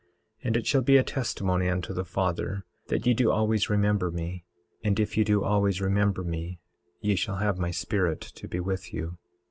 And it shall be a testimony unto the Father that ye do always remember me. And if ye do always remember me ye shall have my Spirit to be with you.